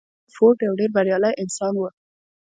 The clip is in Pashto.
هنري فورډ يو ډېر بريالی انسان و.